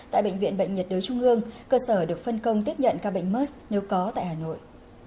tại bệnh viện bệnh nhiệt đới trung ương cơ sở được phân công tiếp nhận ca bệnh musk nếu có tại hà nội